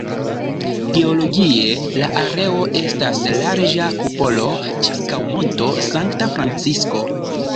Geologie, la areo estas larĝa kupolo ĉirkaŭ Monto Sankta Francisko.